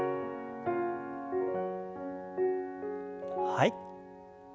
はい。